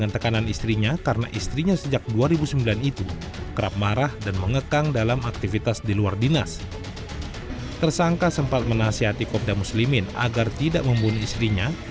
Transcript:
tersangka sempat menasihati komda muslimin agar tidak membunuh istrinya